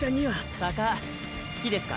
坂好きですか？